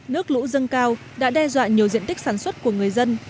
nước lũ dâng cao đã đe dọa nhiều diện tích sản xuất của người dân